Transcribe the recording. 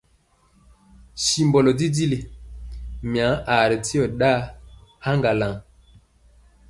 Simbɔlɔ jijili, mya aa jɔsi ɗaa haŋgalaŋ.